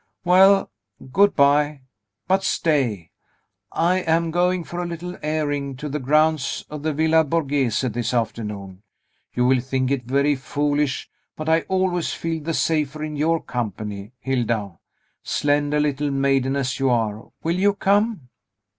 Well; goodby. But, stay! I am going for a little airing to the grounds of the Villa Borghese this afternoon. You will think it very foolish, but I always feel the safer in your company, Hilda, slender little maiden as you are. Will you come?"